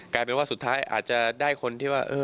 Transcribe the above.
กลายเป็นว่าสุดท้ายอาจจะได้คนที่ว่า